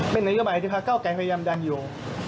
เป็นนโยบายที่พระเก้าไกรพยายามดันอยู่